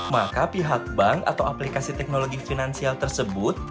maka pihak bank atau aplikasi teknologi finansial tersebut